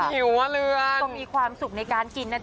ก็มีความสุขในการกิน